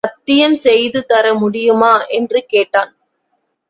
சத்தியம் செய்து தர முடியுமா? என்று கேட்டான்.